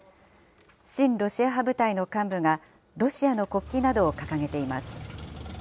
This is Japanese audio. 親ロシア派部隊の幹部などがロシアの国旗などを掲げています。